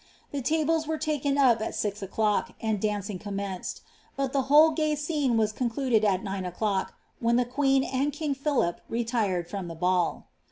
The tablei were taken up at s:x o'clock, and danning comtnenced; but the whole gay scene wis concluded at nine o'clock, when the queen and king Philip retired frutn the ball.